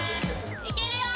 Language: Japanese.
いけるよ！